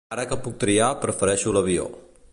Ara que puc triar, prefereixo l'avió.